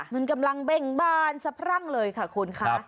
มันกำลังเบ้งบานสะพรั่งเลยค่ะคุณค่ะ